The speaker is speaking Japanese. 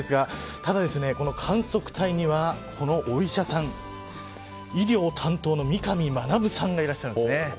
ただ観測隊にはこのお医者さん医療担当の三上学さんがいらっしゃるんですね。